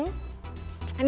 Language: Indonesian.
berikutnya adalah gaslighting